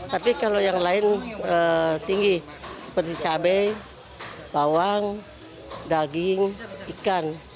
tapi kalau yang lain tinggi seperti cabai bawang daging ikan